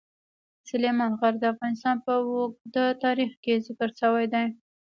سلیمان غر د افغانستان په اوږده تاریخ کې ذکر شوی دی.